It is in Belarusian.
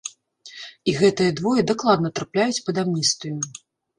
І гэтыя двое дакладна трапляюць пад амністыю.